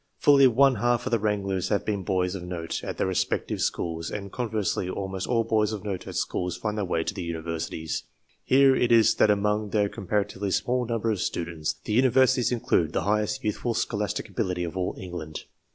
Fully one half of the wranglers have been boys of note at their respective schools, and, conversely, almost all boys of note at schools find their way to the Universities. Hence it is that among their comparatively small number of students, the Universities include the highest youthful scholastic ability of all England.